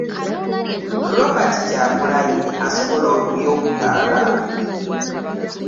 Robert Kyagulanyi asobole okulya obutaala